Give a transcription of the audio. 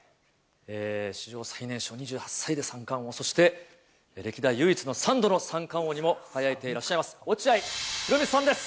史上最年少２８歳で三冠王、そして歴代唯一の３度の三冠王にも輝いていらっしゃいます、落合博満さんです。